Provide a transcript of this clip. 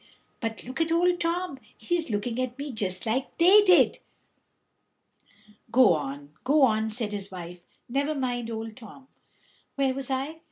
But look at Old Tom; he's looking at me just like they did." "Go on, go on," said his wife; "never mind Old Tom." "Where was I?